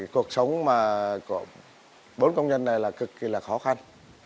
cuộc sống của bốn công nhân này là cực kỳ là khó khăn